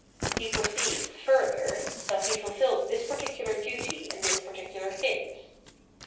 He perceives, further, that he fulfils this particular duty in this par ticular case.